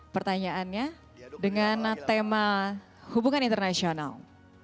pertanyaannya dengan tema hubungan internasional